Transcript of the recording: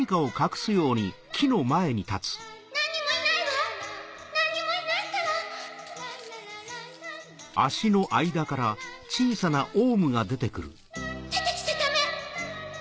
何にもいないわ何にもいないったら出てきちゃダメ！